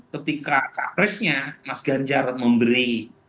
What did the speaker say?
ketika capresnya mas ganjar memberi